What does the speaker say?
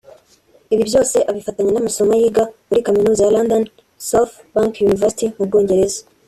Ibi byose abifatanya n’amasomo yiga muri Kaminuza ya London South Bank University mu Bwongereza